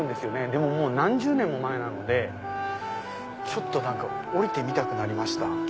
でも何十年も前なのでちょっと降りてみたくなりました。